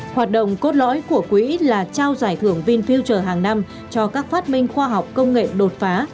hoạt động cốt lõi của quỹ là trao giải thưởng vinfielder hàng năm cho các phát minh khoa học công nghệ đột phá